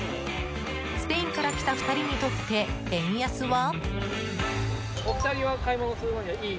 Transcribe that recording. スペインから来た２人にとって円安は？